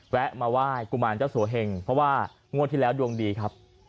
แวะมาไหว้กุมารเจ้าสัวเหงเพราะว่างวดที่แล้วดวงดีครับ